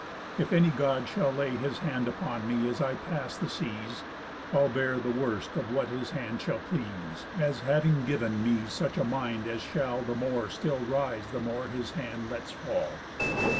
If any God shall lay His hand upon me as I pass the seas, I'll bear the worst of what his hand shall please, As having giv'n me such a mind as shall The more still rise the more his hand lets fall.